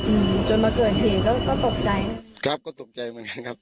อืมจนมาเกิดเหตุก็ก็ตกใจครับก็ตกใจเหมือนกันครับ